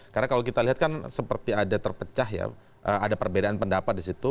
karena kalau kita lihat kan seperti ada terpecah ya ada perbedaan pendapat di situ